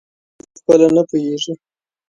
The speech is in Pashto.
اغه خپله نه پییږي